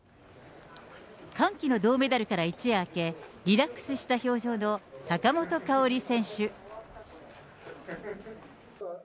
歓喜の銅メダルから一夜明け、リラックスした表情の坂本花織選手。